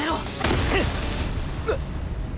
えっ！？